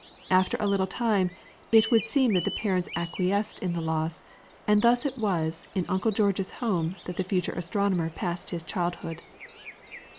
After a little time it would seem that the parents acquiesced in the loss, and thus it was in Uncle George's home that the future astronomer passed his childhood.